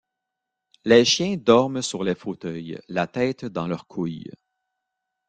Les chiens dorment sur les fauteuils, la tête dans leurs couilles.